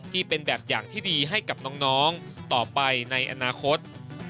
ที่เป็นแบบอย่างที่ดีให้กับน้องต่อไปในอนาคต